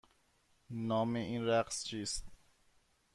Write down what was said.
نام این رقص چیست؟